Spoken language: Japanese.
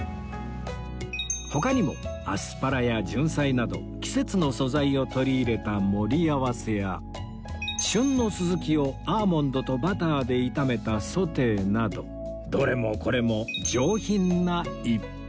他にもアスパラやジュンサイなど季節の素材を取り入れた盛り合わせや旬の鱸をアーモンドとバターで炒めたソテーなどどれもこれも上品な一品